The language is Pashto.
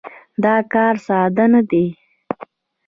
دا کار ساده نه دی.